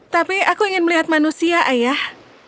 tapi aku ingin melihat manusia ayah